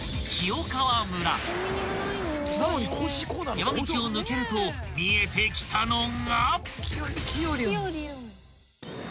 ［山道を抜けると見えてきたのが］